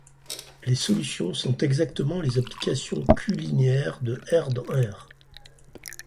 Les solutions sont exactement les applications ℚ-linéaires de ℝ dans ℝ.